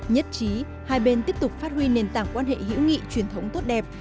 nhất trí hai bên tiếp tục phát huy nền tảng quan hệ hữu nghị truyền thống tốt đẹp